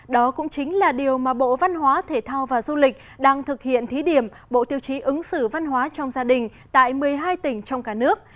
đó cũng chính là điều mà bộ văn hóa thể thao và du lịch đang thực hiện thí điểm bộ tiêu chí ứng xử văn hóa trong gia đình tại một mươi hai tỉnh trong cả nước